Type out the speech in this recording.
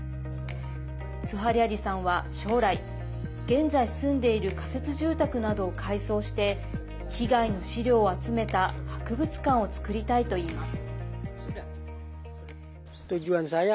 スハリャディさんは、将来現在、住んでいる仮設住宅などを改装して被害の資料を集めた博物館を作りたいといいます。